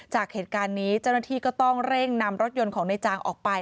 จากเหตุการณ์นี้เจ้าหน้าที่ก็ต้องเร่งนำรถยนต์ของในจางออกไป